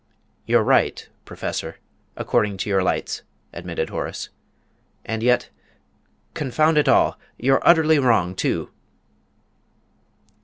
"You're right, Professor, according to your lights," admitted Horace. "And yet confound it all! you're utterly wrong, too!"